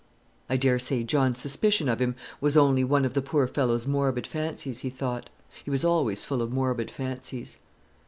"I dare say John's suspicion of him was only one of the poor fellow's morbid fancies," he thought. "He was always full of morbid fancies."